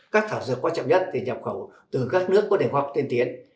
các thảo dược quan trọng nhất thì nhập khẩu từ các nước có nền khoa học tiên tiến